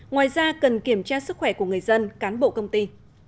ngoài ra cần kiểm tra sức khỏe của người dân cán bộ công ty